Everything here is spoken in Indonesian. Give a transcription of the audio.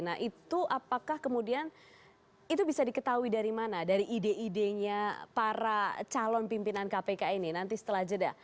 nah itu apakah kemudian itu bisa diketahui dari mana dari ide idenya para calon pimpinan kpk ini nanti setelah jeda